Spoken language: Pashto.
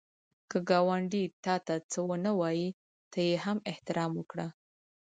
که ګاونډی تا ته څه ونه وايي، ته یې هم احترام وکړه